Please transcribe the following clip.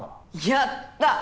やった！